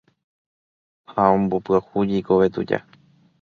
Ha ombopyahu jeikove tuja